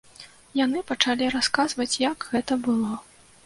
Яны пачалі расказваць, як гэта было.